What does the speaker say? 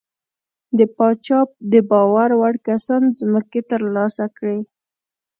د پاچا د باور وړ کسانو ځمکې ترلاسه کړې.